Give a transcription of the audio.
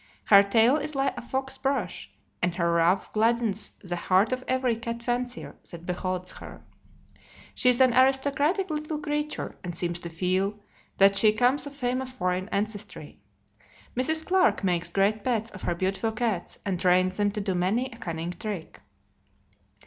Her tail is like a fox's brush, and her ruff gladdens the heart of every cat fancier that beholds her. She is an aristocratic little creature, and seems to feel that she comes of famous foreign ancestry. Mrs. Clarke makes great pets of her beautiful cats, and trains them to do many a cunning trick.